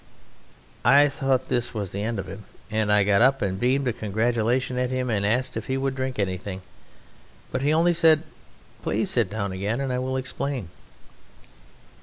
I thought this was the end of him, and I got up and beamed a congratulation at him and asked if he would drink anything, but he only said, "Please sit down again and I will explain."